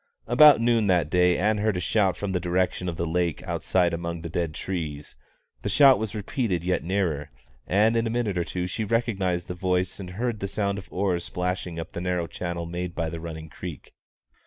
About noon that day Ann heard a shout from the direction of the lake outside among the dead trees; the shout was repeated yet nearer, and in a minute or two she recognised the voice and heard the sound of oars splashing up the narrow channel made by the running creek.